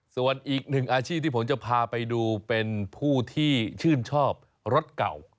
ส่วนอีกหนึ่งอาชีพที่ผมจะพาไปดูเป็นผู้ที่ชื่นชอบรถเก่า